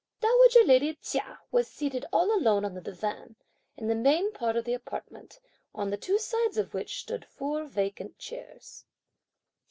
Dowager lady Chia was seated all alone on the divan, in the main part of the apartment, on the two sides of which stood four vacant chairs.